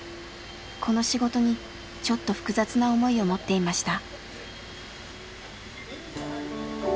この仕事にちょっと複雑な思いを持っていました。